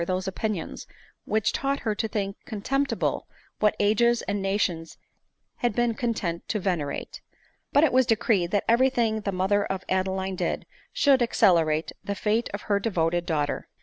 those opinions which taught ff .■»"'" ADELINE MOWBRAY. 67 her 'to think contemptible what ages and nations had been content to venerate. But it was decreed that every tl.bg the mother of Adeline did, should accelerate the fate of her devoted daughter.